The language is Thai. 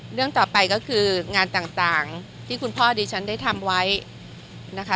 เรื่องต่อไปก็คืองานต่างที่คุณพ่อดิฉันได้ทำไว้นะคะ